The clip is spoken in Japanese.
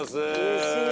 嬉しい。